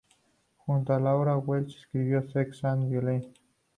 Junto a Laura Welsh escribió "Sex and Violence".